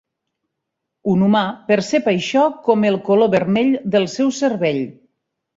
Un humà percep això com el color vermell del seu cervell.